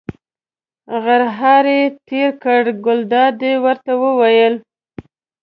غرهار یې تېر کړ، ګلداد ورته وویل.